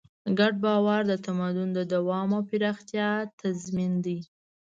ګډ باور د تمدن د دوام او پراختیا تضمین دی.